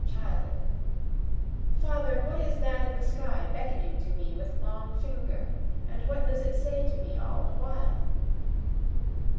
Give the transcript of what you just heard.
Child: Father what is that in the sky beckoning to me with long finger? And what does it say to me all the while?